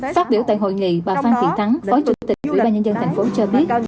phát biểu tại hội nghị bà phan thị thắng phó chủ tịch ubnd thành phố cho biết